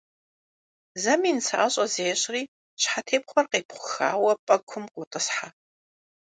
Зэми нысащӏэ зещӏри щхьэтепхъуэр къепхъухауэ пӏэкум къотӏысхьэ.